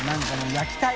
焼きたい。